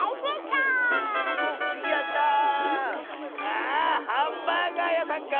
あハンバーガーやさんか。